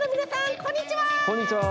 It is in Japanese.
こんにちは！